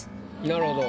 なるほど。